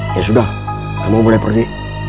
ya sudah kamu boleh pergi